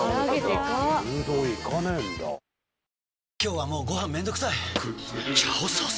今日はもうご飯めんどくさい「炒ソース」！？